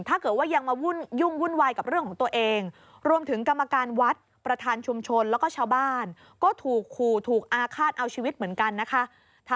ถ้าเกิดยังมายุ่งวุ่นวายกับเรื่องของตัวเอง